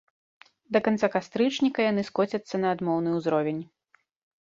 Да канца кастрычніка яны скоцяцца на адмоўны ўзровень.